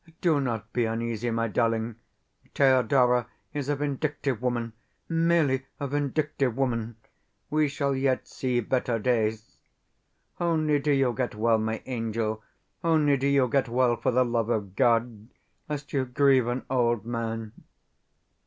Do not be uneasy, my darling. Thedora is a vindictive woman merely a vindictive woman. We shall yet see better days. Only do you get well, my angel only do you get well, for the love of God, lest you grieve an old man.